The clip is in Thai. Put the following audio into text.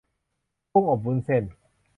กุ้งอบวุ้นเส้น